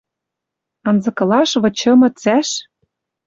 Анзыкылаш вычымы цӓш?